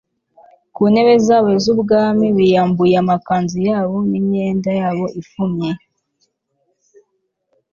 ku ntebe zabo z ubwami k biyambure amakanzu yabo n imyenda yabo ifumye